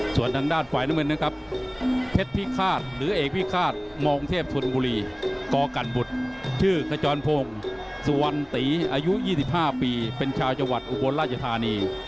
ส่วนทางด้านฝ่ายน้ำเงินนะครับเพชรพิฆาตหรือเอกพิฆาตมองเทพชนบุรีกกันบุตรชื่อขจรพงศ์สุวรรณตีอายุ๒๕ปีเป็นชาวจังหวัดอุบลราชธานี